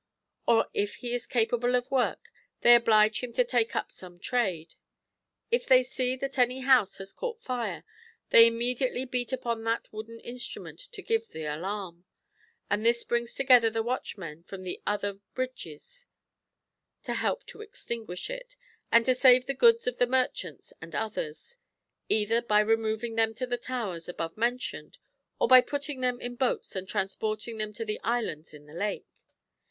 Or if he be capable of work they oblige him to take up some trade. If they see that any house has caught fire they immediately beat upon that wooden instrument to give the alarm, and this brings together the watchmen from the other bridges to help to extinguish it, and to save the goods of the merchants or others, either by removing them to the towers above mentioned, or by putting them in boats and trans porting them to the islands in the lake.